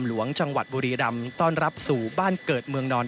หลวงจังหวัดบุรีรำต้อนรับสู่บ้านเกิดเมืองนอน